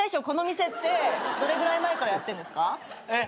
この店ってどれぐらい前からやってんですか？